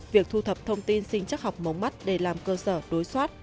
việc thu thập thông tin sinh chắc học mống mắt để làm cơ sở đối soát